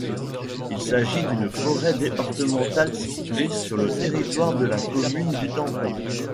Il s'agit d'une forêt départementale située sur le territoire de la commune du Tampon.